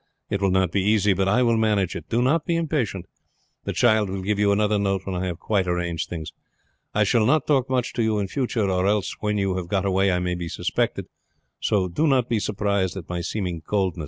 It will not be easy, but I will manage it. Do not be impatient; the child will give you another note when I have quite arranged things. I shall not talk much to you in future, or else when you have got away I may be suspected; so do not be surprised at my seeming cold.'